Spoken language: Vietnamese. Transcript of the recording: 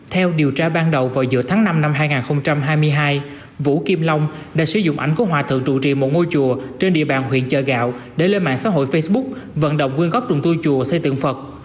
theo điều tra ban đầu vào giữa tháng năm năm hai nghìn hai mươi hai vũ kim long đã sử dụng ảnh của hòa thượng trụ trì một ngôi chùa trên địa bàn huyện chợ gạo để lên mạng xã hội facebook vận động quyên góp trùng tu chùa xây tượng phật